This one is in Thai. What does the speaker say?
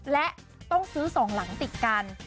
และต้องซื้อ๒หลังติดกัน